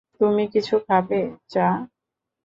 তুমি কিছু খাবে, চা?